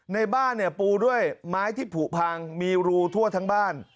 ในบ้านเนี่ยปูด้วยไม้ที่ผูกพังมีรูทั่วทั้งบ้าน